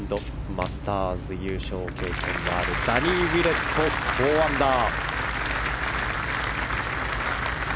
マスターズ優勝経験のあるダニー・ウィレット４アンダー。